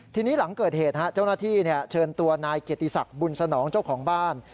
ทีนี้หลังเกิดเหตุเจ้าหน้าที่เชิญตัวนายเกียรติศักดิ์บุญสนองเจ้าของบ้าน